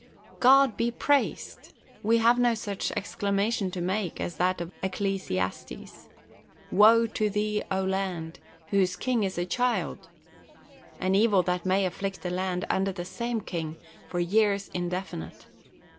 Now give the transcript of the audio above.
God be praised ! we have no such exclamation to make as that of Ecclesiastes :" Woe to thee, land ! whose king BOULTER AND SAVAGE. 123 is a child," — an evil that may afflict a land under the same king, for years indefinite.